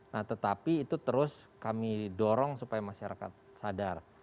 nah tetapi itu terus kami dorong supaya masyarakat sadar